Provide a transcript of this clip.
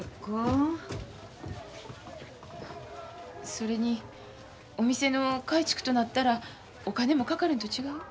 それにお店の改築となったらお金もかかるんと違う？